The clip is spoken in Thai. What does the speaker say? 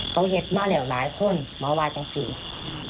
เขาเห็นมาหลายคนหมอวายจังฟรี